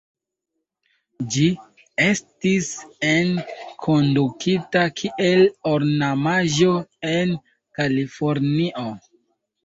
Ĝi estis enkondukita kiel ornamaĵo en Kalifornio.